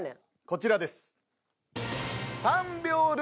こちらです。